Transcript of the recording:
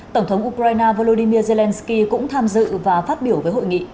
tổng thống ukraine volodymyr zelensky cũng tham dự và phát biểu với hội nghị